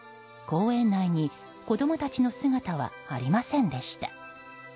公園内に子供たちの姿はありませんでした。